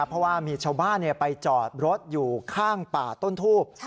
เพราะว่ามีชาวบ้านไปจอดรถอยู่ข้างป่าต้นทูบ